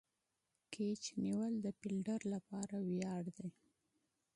کېچ نیول د فیلډر له پاره ویاړ دئ.